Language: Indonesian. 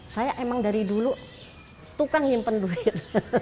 saya emang dari dulu tukang nyimpen duit